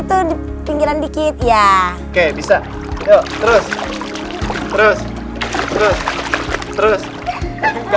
mundurin lagi mundurin badannya